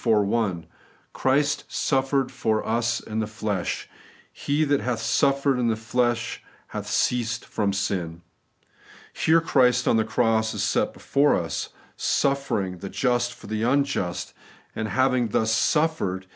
iv. 1) :' Christ suffered for us in the flesh ;... he that hath suffered in the flesh hath ceased from sin.' Here Christ on the cross is set before us, suffering the just for the unjust ; and having thus suffered.